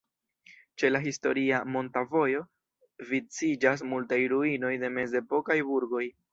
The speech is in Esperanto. Ĉe la historia "monta vojo" viciĝas multaj ruinoj de mezepokaj burgoj.